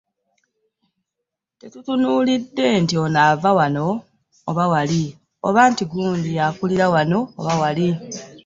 Tetutunuulidde nti ono ava wano oba wali oba nti gundi yakulira wano oba wali.